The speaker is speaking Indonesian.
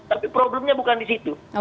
tapi problemnya bukan di situ